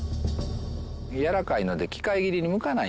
やわらかいので機械切りに向かない。